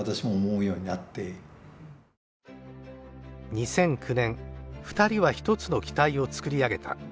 ２００９年２人は一つの機体を作り上げた。